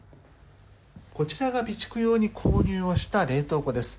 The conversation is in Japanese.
こちらが備蓄用に購入をした冷凍庫です。